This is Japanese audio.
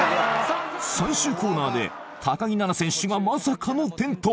最終コーナーで木菜那選手がまさかの転倒。